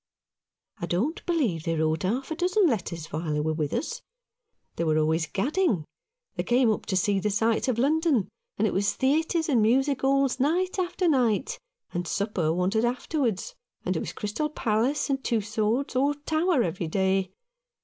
"I don't believe they wrote half a dozen letters while they were with us. They were always gadding. They came up to see the sights of London, and it was theatres and music 'alls night after night, and supper wanted after wards ; and it was Crystal Palace and Tussauds or Tower every day.